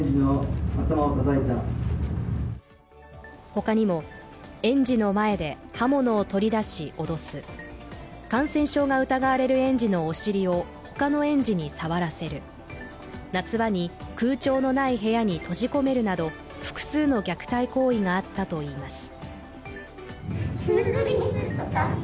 他にも、園児の前で刃物を取り出し脅す、感染症が疑われる園児のお尻を他の園児に触らせる、夏場に空調のない部屋に閉じ込めるなど複数の虐待行為があったといいます。